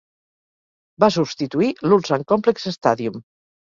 Va substituir l"Ulsan Complex Stadium.